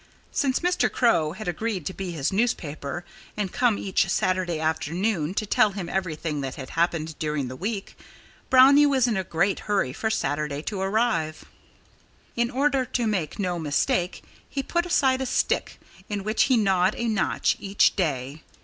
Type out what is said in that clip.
Since Mr. Crow had agreed to be his newspaper, and come each Saturday afternoon to tell him everything that had happened during the week, Brownie was in a great hurry for Saturday to arrive. In order to make no mistake, he put aside a stick in which he gnawed a notch each day.